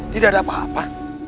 tidak ada apa apa